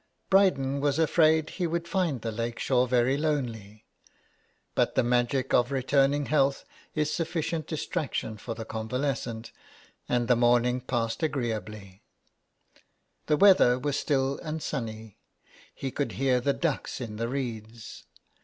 Bryden was afraid he would find the lake shore very lonely, but the magic of returning health is 162 HOME SICKNESS. sufficient distraction for the convalescent, and the morning passed agreeably. The weather was still and sunny. He could hear the ducks in the reeds.